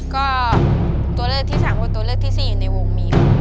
ก็ตัวเลือกที่๓คือตัวเลือกที่๔อยู่ในวงมีม